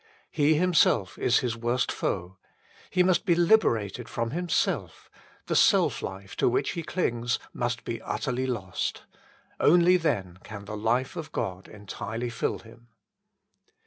He himself is his worst foe : he must be liberated from himself ; the self life to which he clings must be utterly lost. Only then can the life of God entirely fill him.